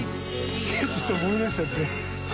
ちょっと思い出しちゃって。